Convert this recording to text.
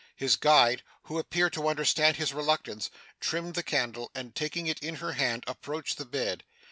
His guide, who appeared to understand his reluctance, trimmed the candle, and taking it in her hand, approached the bed.